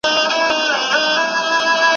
هلک په ډار سره د انا لمانځه ته کتل.